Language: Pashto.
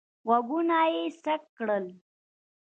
غوږونه یې څک کړل.